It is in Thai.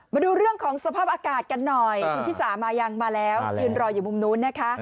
มาดูเรื่องของสภาพอากาศกันหน่อยคุณชิสามายังมาแล้วยืนรออยู่มุมนู้นนะคะ